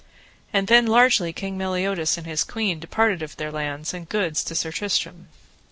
And then largely King Meliodas and his queen departed of their lands and goods to Sir Tristram.